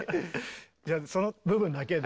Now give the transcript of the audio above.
じゃあその部分だけで。